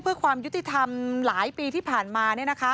เพื่อความยุติธรรมหลายปีที่ผ่านมา